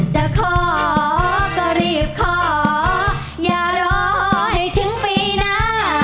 จะขอก็รีบขออย่ารอให้ถึงปีหน้า